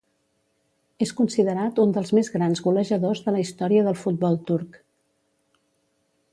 És considerat un dels més grans golejadors de la història del futbol turc.